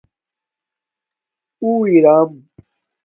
اُو اِرم